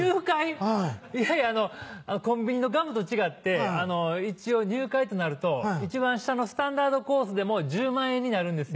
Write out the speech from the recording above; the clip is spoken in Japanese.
いやいやコンビニのガムと違って一応入会となると一番下のスタンダードコースでも１０万円になるんですよ。